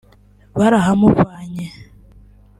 barahamuvanye